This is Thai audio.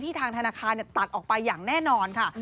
ทางธนาคารตัดออกไปอย่างแน่นอนค่ะ